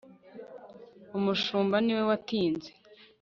umushumba niwe watinze